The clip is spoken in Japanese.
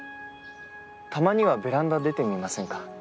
たまにはベランダ出てみませんか？